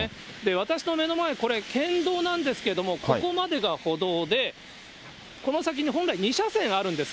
私の目の前、これ、県道なんですけども、ここまでが歩道で、この先に本来、２車線あるんです。